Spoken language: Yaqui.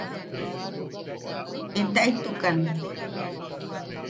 Etaaʼitukan!